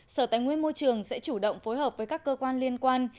sở tài nguyên môi trường sẽ chủ động phối hợp với các cơ quan liên quan